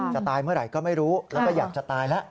ตายเมื่อไหร่ก็ไม่รู้แล้วก็อยากจะตายแล้ว